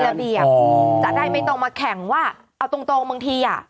ระเบียบจะได้ไม่ต้องมาแข่งว่าเอาตรงตรงบางทีอ่ะ